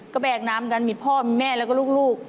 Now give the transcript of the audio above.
ก็แบกน้ำกันมีพ่อมีแม่แล้วก็ลูก